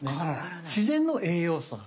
自然の栄養素なので。